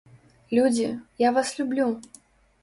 Людзі, я вас люблю!!!